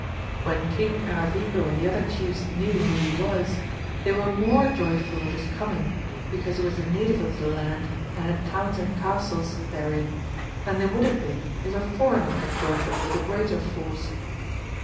When King Aravigo and the other chiefs knew who he was, they were more joyful of his coming, because he was a native of the land, and had towns and castles there in, than they would have been if a foreigner had joined them with a greater foroe.